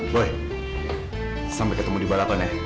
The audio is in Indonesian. boy sampai ketemu di baraton ya